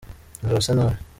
narose nabi.